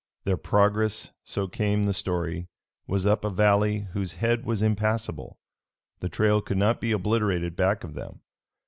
Their progress, so came the story, was up a valley whose head was impassable. The trail could not be obliterated back of them.